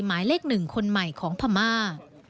หมายเลข๑คนใหม่ของพม่า